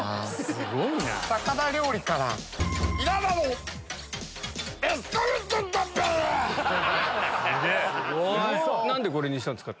すごい！何でこれにしたんですか？